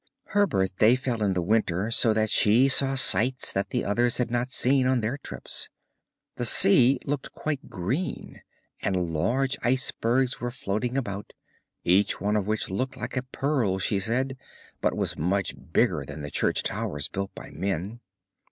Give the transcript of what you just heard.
Her birthday fell in the winter, so that she saw sights that the others had not seen on their first trips. The sea looked quite green, and large icebergs were floating about, each one of which looked like a pearl, she said, but was much bigger than the church towers built by men.